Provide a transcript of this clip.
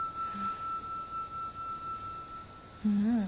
うん。